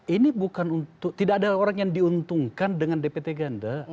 ini bukan untuk tidak ada orang yang diuntungkan dengan dpt ganda